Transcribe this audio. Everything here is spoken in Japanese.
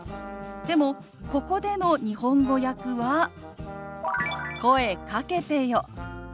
でもここでの日本語訳は「声かけてよ」。